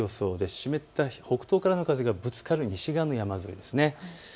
湿った北東からの風がぶつかる西側の山沿いです。